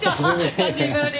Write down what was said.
久しぶり。